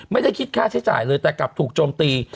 ไม่ได้คิดค่าใช้จ่ายเลยแต่กลับถูกโจมตี